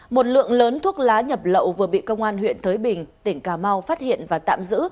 một lượng lớn thuốc lá nhập lậu vừa bị công an huyện thới bình tỉnh cà mau phát hiện và tạm giữ